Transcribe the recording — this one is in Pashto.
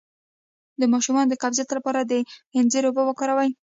د ماشوم د قبضیت لپاره د انځر اوبه ورکړئ